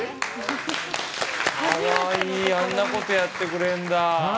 可愛いあんなことやってくれるんだ。